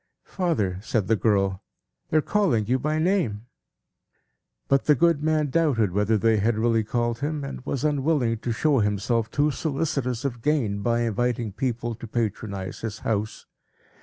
"Father," said the girl, "they are calling you by name." But the good man doubted whether they had really called him, and was unwilling to show himself too solicitous of gain, by inviting people to patronize his house.